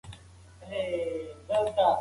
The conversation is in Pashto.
دا نړۍ د ازمويښت ځای دی.